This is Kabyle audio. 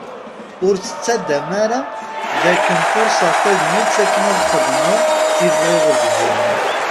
Ur tt-ttaddam ara d akken furseɣ tagnit akken ad xedmeɣ i bɣiɣ deg-m.